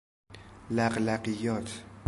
لقلقیات